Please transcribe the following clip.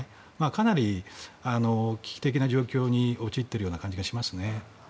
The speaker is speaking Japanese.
かなり危機的な状況に陥ってる感じがしますね。